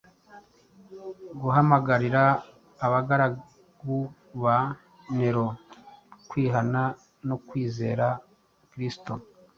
guhamagarira abagaragu ba Nero kwihana no kwizera Kristo